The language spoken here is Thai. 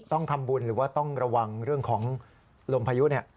ต้องทำบุญหรือว่าต้องระวังเรื่องของลมพายุเนี่ย